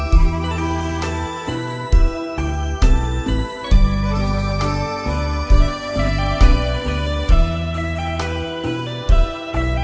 หนุ่กห่างของยากแผ่นนี้แม่ภายตน